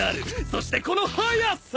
そしてこの速さ！